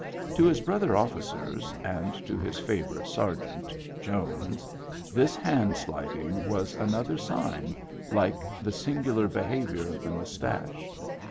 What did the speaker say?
To his brother officers and to his favor ite sergeant, Jones, this hand sliding was another sign, like the singular Lenavior of the mustache.